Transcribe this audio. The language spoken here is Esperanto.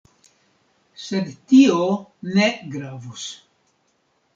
Sed tio ne gravos.